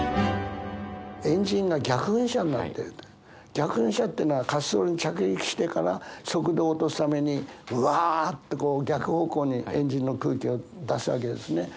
逆噴射っていうのは滑走路に着陸してから速度を落とすためにうわって逆方向にエンジンの空気を出すわけですね。